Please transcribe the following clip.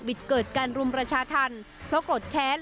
เกิดการรุมประชาธรรมเพราะโกรธแค้น